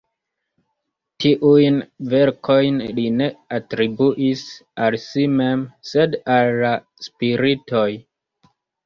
Tiujn verkojn li ne atribuis al si mem, sed al la spiritoj.